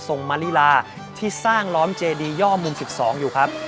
มาลีลาที่สร้างล้อมเจดีย่อมุม๑๒อยู่ครับ